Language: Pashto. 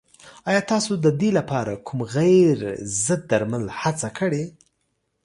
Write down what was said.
ایا تاسو د دې لپاره کوم غیر ضد درمل هڅه کړې؟